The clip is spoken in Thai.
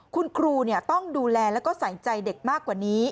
คุณครูต้องดูแลแล้วก็ใส่ใจเด็กมากกว่านี้